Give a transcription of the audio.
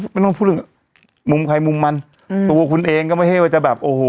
ไม่ต้องพูดถึงมุมใครมุมมันอืมตัวคุณเองก็ไม่ใช่ว่าจะแบบโอ้โห